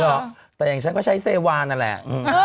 แต่อย่างฉันก็ใช้เซวานนั่นแหละ